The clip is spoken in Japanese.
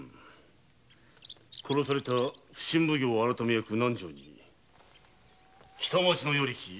殺された普請奉行改役・南条に北町の与力・井之口。